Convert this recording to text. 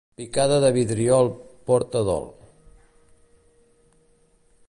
Picada de vidriol porta dol.